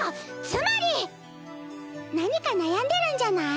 つまり何か悩んでるんじゃない？